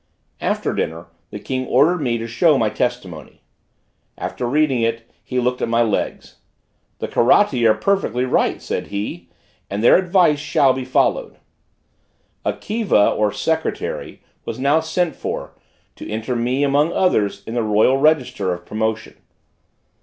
After dinner, the King ordered me to show my testimony. After reading it, he looked at my legs. "The Karatti are perfectly right!" said he; "and their advice shall be followed." A Kiva, or secretary, was now sent for, to enter me, among others, in the royal register of promotion.